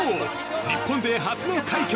日本勢初の快挙。